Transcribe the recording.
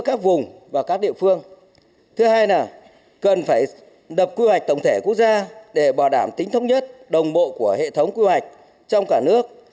nhiều đại biểu cho rằng cần lập quy hoạch tổng thể quốc gia để bảo đảm tính thống nhất đồng bộ của hệ thống quy hoạch trong cả nước